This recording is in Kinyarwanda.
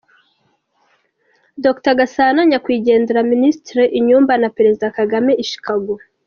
Dr Gasana, Nyakwigendera Ministre Inyumba na Perezida Kagame i Chicago